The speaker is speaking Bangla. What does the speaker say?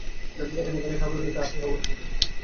একবার এখানের খাবার খেলে, স্যার আপনি কখনো ভুলবেন না।